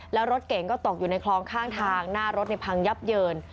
แล้วรถเก่งก็ตกอยู่ในคลองข้างทางหน้ารถพังยับเยิน